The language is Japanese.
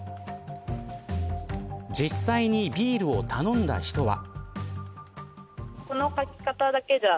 実際に、ビールを頼んだ人は。